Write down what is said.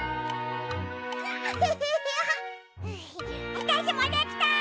わたしもできた！